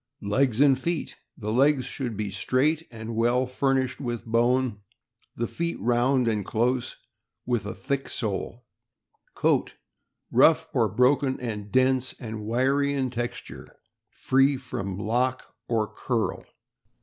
Legs and feet.— The legs should be straight, and well furnished with bone; the feet round and close, with a thick sole. Coat. — Rough, or broken, and dense and wiry in texture ; free from lock or curl.